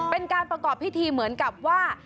เป็นการประกอบพิธีเหมือนกับว่า